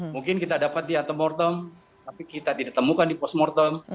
mungkin kita dapat di antemortem tapi kita tidak temukan di postmortem